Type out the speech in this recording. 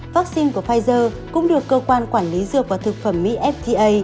vaccine của pfizer cũng được cơ quan quản lý dược và thực phẩm mỹ fda